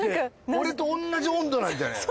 俺と同じ温度なんじゃねえの？